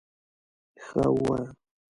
_ښه، ووايه!